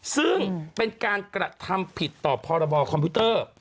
ซึ่งเป็นการกระทำผิดต่อพรบคอมพิวเตอร์